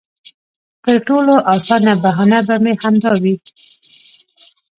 تر ټولو اسانه بهانه به مې همدا وي.